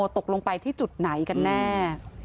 ตกลงไปที่จุดไหนกันแน่